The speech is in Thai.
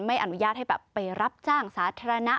ไม่อนุญาตให้แบบไปรับจ้างสาธารณะ